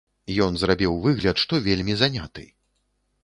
Ён зрабіў выгляд, што вельмі заняты.